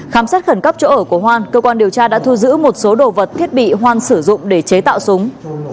khám xét khẩn cấp chỗ ở của hoan cơ quan điều tra đã thu giữ một số đồ vật thiết bị hoan sử dụng để chế tạo súng